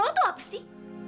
mau tuh apa sih